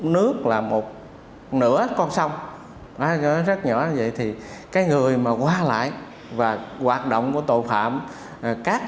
nước là một nửa con sông rất nhỏ như vậy thì cái người mà qua lại và hoạt động của tội phạm các